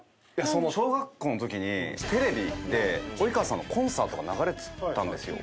小学校のときにテレビで及川さんのコンサートが流れてたんですよ。